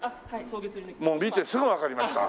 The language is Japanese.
もう見てすぐわかりました。